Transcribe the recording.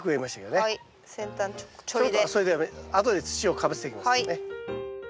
それであとで土をかぶせていきますからね。